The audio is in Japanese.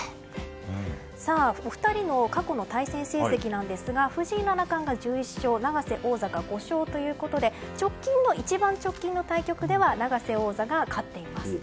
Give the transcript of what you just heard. お二人の過去の対戦成績ですが藤井七冠が１１勝永瀬王座が５勝ということで一番直近の対局では永瀬王座が勝っています。